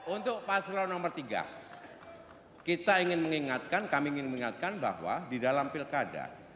untuk pasangan calon nomor tiga kita ingin mengingatkan bahwa di dalam pilkada